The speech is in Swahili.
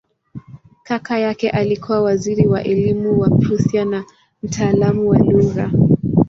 Kaka yake alikuwa waziri wa elimu wa Prussia na mtaalamu wa lugha.